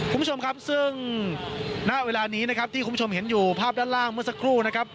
คุณผู้ชมครับซึ่งณเวลานี้นะครับที่คุณผู้ชมเห็นอยู่ภาพด้านล่างเมื่อสักครู่นะครับ